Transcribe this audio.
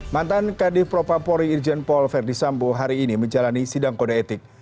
mantan kd propa pori irjen paul verdi sambo hari ini menjalani sidang kode etik